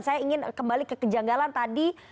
saya ingin kembali ke kejanggalan tadi